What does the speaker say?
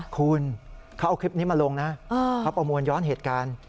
คุณเขาเอาคลิปนี้มาลงนะเขาประมวลย้อนเหตุการณ์